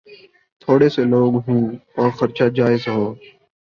تھوڑے سے لوگ ہوں اور خرچا جائز ہو۔